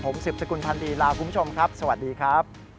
ผมสิบสกุลพันธ์ดีลาคุณผู้ชมครับสวัสดีครับ